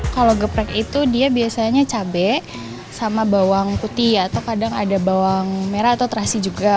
kalau geprek itu dia biasanya cabai sama bawang putih atau kadang ada bawang merah atau terasi juga